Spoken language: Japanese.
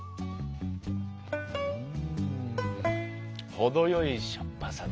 ほどよいしょっぱさだ。